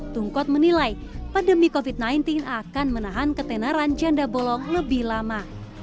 tungkot menilai pandemi covid sembilan belas akan menahan ketenaran janda bolong lebih lama